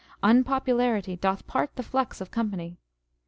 Unpopularity " doth part the flux of company."